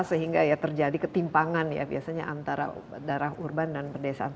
sehingga ya terjadi ketimpangan ya biasanya antara darah urban dan perdesaan